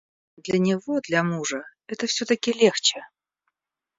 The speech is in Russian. Для него, для мужа, это всё-таки легче.